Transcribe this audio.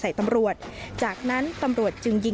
แล้วมันกำลังกลายเปลี่ยนแล้วมันกำลังกลายเปลี่ยน